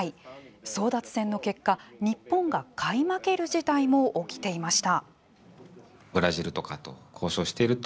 争奪戦の結果、日本が買い負ける事態も起きていました。